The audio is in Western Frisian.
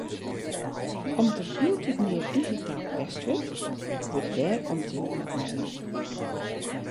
Om't der hieltyd mear digitaal pest wurdt, wurdt dêr omtinken oan jûn.